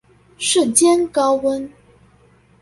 瞬間高溫